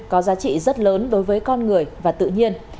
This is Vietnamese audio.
có giá trị rất lớn đối với con người và tự nhiên